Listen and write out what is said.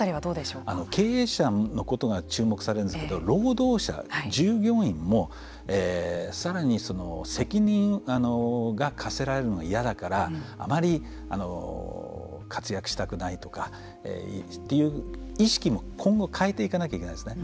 経営者のことが注目されるんですけど労働者従業員もさらに責任を課せられるのが嫌だからあまり活躍したくないとかという意識も今後変えていかなきゃいけないですね。